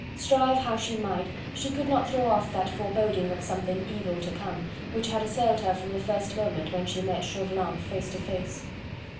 Strive how she might, she could not throw off that foreboding of something evil to come, which had assailed her from the first moment when she met Chauvelin face to face.